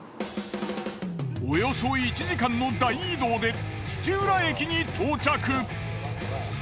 およそ１時間の大移動で土浦駅に到着。